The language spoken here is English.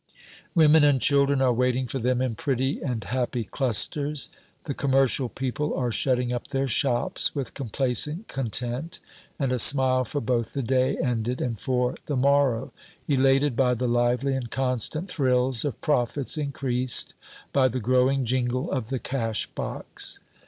[note 1] Women and children are waiting for them, in pretty and happy clusters. The commercial people are shutting up their shops with complacent content and a smile for both the day ended and for the morrow, elated by the lively and constant thrills of profits increased, by the growing jingle of the cash box.